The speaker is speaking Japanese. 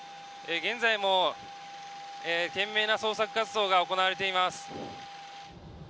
現在も懸命な捜索活動が行われています。